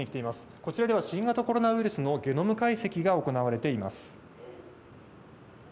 こちらでは新型コロナウイルスのゲノム解析が行われています。